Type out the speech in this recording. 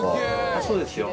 そうですよ。